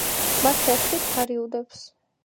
მას ფერხთით ფარი უდევს.